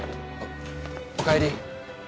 お帰り。